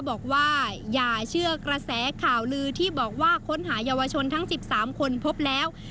บอกว่าอย่าเชื่อกระแสข่าวลือที่บอกว่าค้นหาเยาวชนทั้ง๑๓คนพบแล้ว